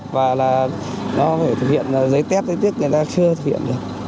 và là nó phải thực hiện giấy test giấy tiết người ta chưa thực hiện được